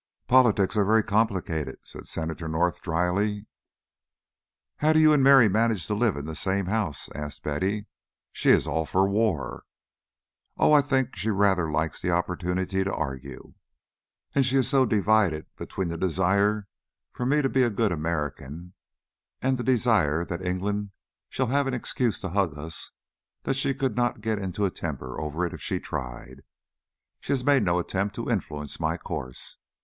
"Politics are very complicated," said Senator North, dryly. "How do you and Mary manage to live in the same house?" asked Betty. "She is all for war." "Oh, I think she rather likes the opportunity to argue. And she is so divided between the desire for me to be a good American and the desire that England shall have an excuse to hug us that she could not get into a temper over it if she tried. She has made no attempt to influence my course.